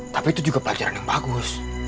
tapi itu juga pelajaran yang bagus